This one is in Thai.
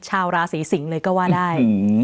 ชาวราศีสิงศ์เลยก็ว่าได้